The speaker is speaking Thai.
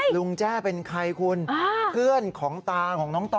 แจ้เป็นใครคุณเพื่อนของตาของน้องต่อ